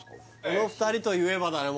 この２人といえばだよ